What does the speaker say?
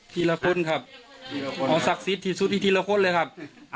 ทีละคนครับนำศักดิ์สุธิที่ละคนเลยครับ